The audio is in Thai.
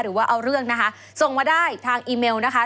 หรือว่าเอาเรื่องนะคะส่งมาได้ทางอีเมลนะคะ